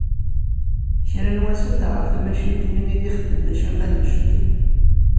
Kra n wass ad d-aɣeɣ tamacint-nni i d-ixeddmen acamar n jeddi.